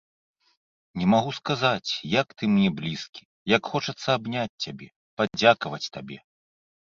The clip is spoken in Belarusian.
Не магу сказаць, як ты мне блізкі, як хочацца абняць цябе, падзякаваць табе.